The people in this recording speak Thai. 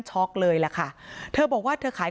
เลยล่ะค่ะเธอบอกว่าเธอขาย